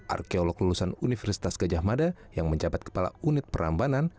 arkeolog lulusan universitas gajah mada yang menjabat kepala unit perambanan